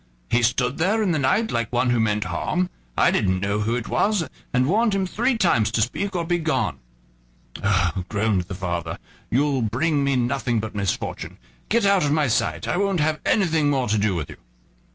He stood there in the night, like one who meant harm. I didn't know who it was, and warned him three times to speak or begone." "Oh!" groaned the father, "you'll bring me nothing but misfortune; get out of my sight, I won't have anything more to do with you."